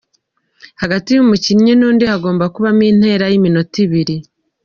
Hagati y’umukinnyi n’undi hagomba kubamo intera y’iminota ibiri.